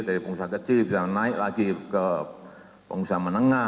dari pengusaha kecil bisa naik lagi ke pengusaha menengah